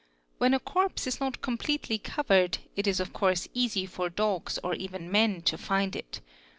When a corpse is not completely covered, it is of = ourse easy for dogs or even men to find it.